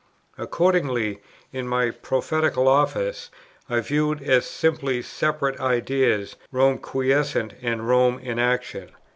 Accordingly, in my Prophetical Office, I view as simply separate ideas, Rome quiescent, and Rome in action.